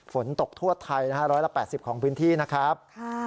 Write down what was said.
ฝนตกทั่วไทย๑๘๐ของพื้นที่นะครับ